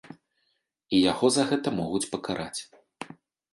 І яго за гэта могуць пакараць.